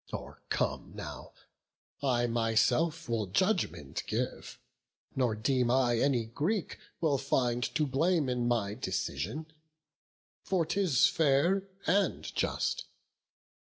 Or come now, I myself will judgment give; Nor deem I any Greek will find to blame In my decision, for 'tis fair and just.